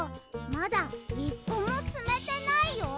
まだ１こもつめてないよ。